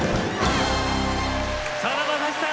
さだまさしさん